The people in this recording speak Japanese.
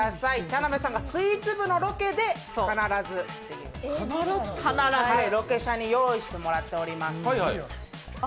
田辺さんがスイーツ部のロケで必ずロケ車に用意してもらっています。